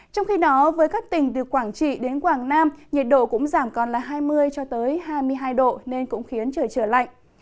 trong khi đó với các tỉnh từ quảng trị đến quảng nam nhiệt độ cũng giảm còn là hai mươi hai mươi hai độ nên cũng khiến trời trở lạnh